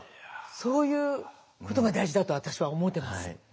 そういうことが大事だと私は思ってます。